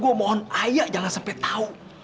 gue mohon ayah jangan sampai tahu